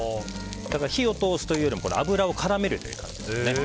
火を通すというより油を絡めるという感じですね。